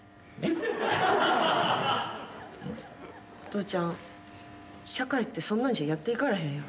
父ちゃん社会ってそんなんじゃやっていかれへんよ。